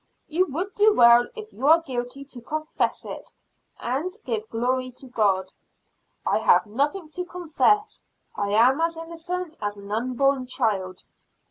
"You would do well if you are guilty to confess it; and give glory to God." "I have nothing to confess. I am as innocent as an unborn child."